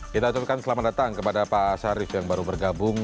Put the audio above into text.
kita ucapkan selamat datang kepada pak sarif yang baru bergabung